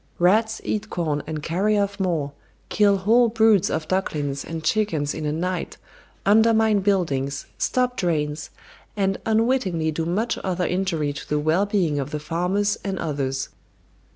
Rats eat corn and carry off more, kill whole broods of ducklings and chickens in a night, undermine buildings, stop drains, and unwittingly do much other injury to the well being of the farmers and others.